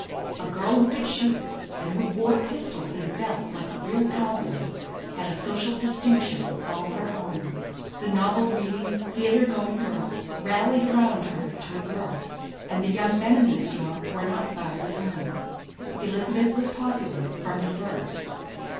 A girl who could shoot, and who wore pistols in a belt like a real cowboy, had a social distinction all her own. The novel reading, theatre going girls rallied around her to a girl; and the young men in the store were not far behind. Elizabeth was popular from the first.